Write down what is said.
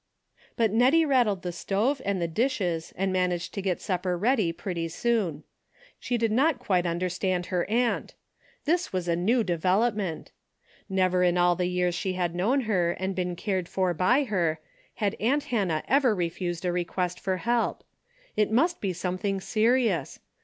But Nettie rattled the stove and the dishes and managed to get supper ready pretty soon. She did not quite understand her aunt. This was a new development. Never in all the years she had known her and been cared for by her had aunt Hannah ever refused a re quest for help. It must be something serious.